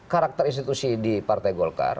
karakter institusi di partai golkar